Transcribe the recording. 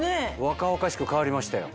若々しく変わりましたよ。